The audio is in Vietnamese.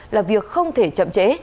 là việc không thể chậm chạy